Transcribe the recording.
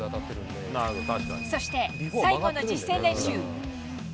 そして最後の実践練習。